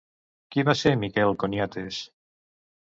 Qui va ser Miquel Coniates?